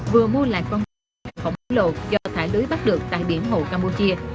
vừa mua lại con cá trà dầu khổng lồ do thải lưới bắt được tại biển hồ campuchia